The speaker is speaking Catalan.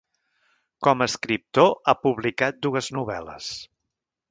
Com a escriptor ha publicat dues novel·les.